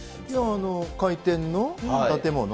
回転の建物。